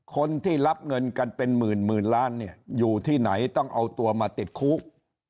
คนที่รับเงินกันเป็นหมื่นล้านเนี่ยอยู่ที่ไหนต้องเอาตัวมาติดคุก